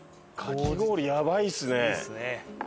かき氷やばいっすね。